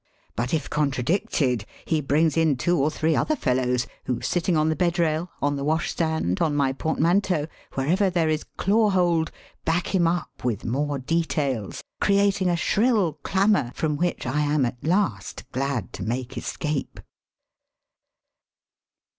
But if contradicted he brings in two or three other fellows, who, sitting on the bed rail, on the washstand, on my portmanteau, wherever there is clawhold, back him up with more details, creating a shrill clamour from which I am at last glad to make escape.